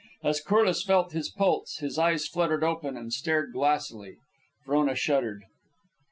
As Corliss felt his pulse, his eyes fluttered open and stared glassily. Frona shuddered.